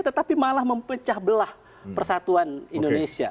tetapi malah mempecah belah persatuan indonesia